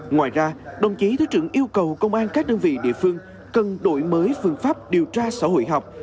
ngoài ra đồng chí thứ trưởng yêu cầu công an các đơn vị địa phương cần đổi mới phương pháp điều tra xã hội học